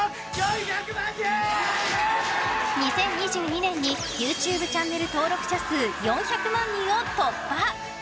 ２０２２年にＹｏｕＴｕｂｅチャンネル登録者数４００万人を突破。